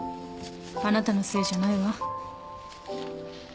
あなたのせいじゃないわ。